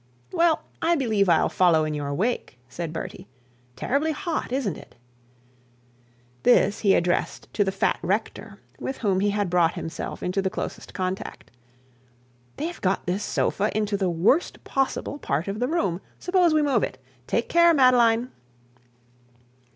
'Well I believe I'll follow in your wake,' said Bertie. 'Terribly hot, isn't it?' This he addressed to the fat rector with whom he had brought himself into the closest contact. 'They've got this sofa into the worst possible part of the room; suppose we move it. Take care, Madeline.'